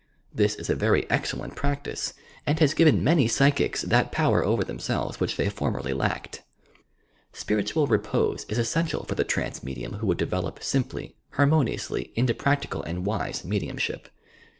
This is a very excellent practice and has given many psychics that power over themselves which they formerly lacked. Spiritual repose is essential for the trance medium who would develop simply, harmonionsly into practical and wise mediumahip.